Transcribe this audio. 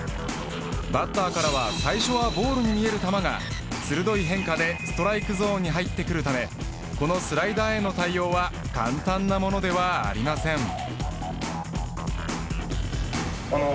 バッターからは最初はボールに見える球が鋭い変化でストライクゾーンに入ってくるためこのスライダーへの対応は簡単なものではありません。